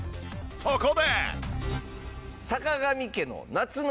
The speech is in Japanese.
そこで。